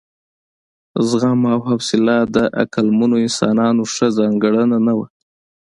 زغم او حوصله د عقلمنو انسانانو ښه ځانګړنه نه وه.